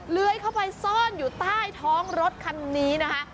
เลื้อยเข้าไปซ่อนอยู่ใต้ท้องรถคันนี้นะคะ